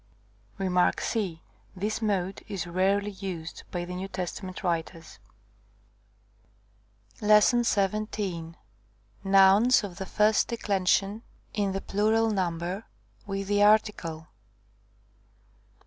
Rem. c. This mode is rarely used by the N. T. writers. §17. Nouns of the first declension, in the plural number, with the article.